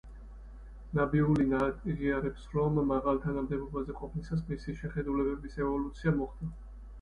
ნაბიულინა აღიარებს, რომ მაღალ თანამდებობზე ყოფნისას მისი შეხედულებების ევოლუცია მოხდა.